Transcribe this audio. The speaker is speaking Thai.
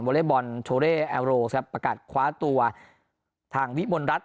อเล็กบอลโชเร่แอลโรครับประกาศคว้าตัวทางวิมลรัฐ